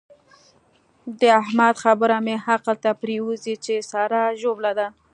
د احمد خبره مې عقل ته پرېوزي چې سارا ژوبله ده.